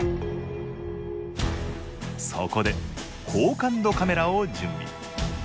そこで高感度カメラを準備。